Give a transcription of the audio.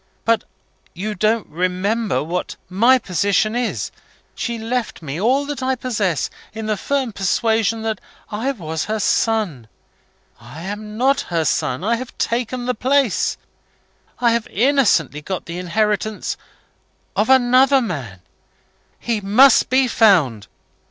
But you don't remember what my position is. She left me all that I possess, in the firm persuasion that I was her son. I am not her son. I have taken the place, I have innocently got the inheritance of another man. He must be found!